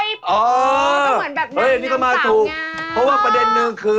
อ๋องั้นสาวงานนี่ก็มาถูกเพราะว่าประเด็นนึงคือ